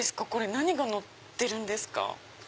何がのってるんですか？